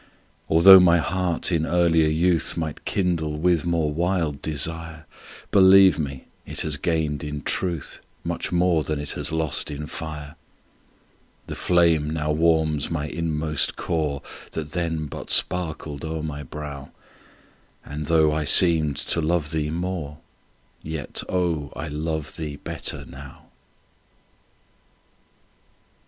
Altho' my heart in earlier youth Might kindle with more wild desire, Believe me, it has gained in truth Much more than it has lost in fire. The flame now warms my inmost core, That then but sparkled o'er my brow, And, though I seemed to love thee more, Yet, oh, I love thee better now.